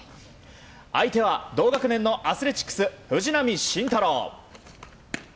相手は同学年のアスレチックス藤浪晋太郎。